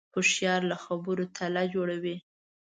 هوښیار له خبرو تله جوړوي